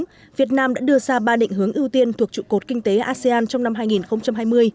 trong năm hai nghìn hai mươi việt nam đã đưa ra ba định hướng ưu tiên thuộc trụ cột kinh tế asean trong năm hai nghìn hai mươi